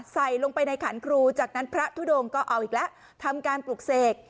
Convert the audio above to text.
ใส่ลงไปในขันครูจากนั้นพระทุดงก็เอาอีกแล้วทำการปลูกเสก